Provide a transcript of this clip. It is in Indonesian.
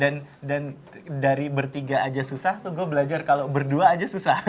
dan dan dari bertiga aja susah tuh gue belajar kalau berdua aja susah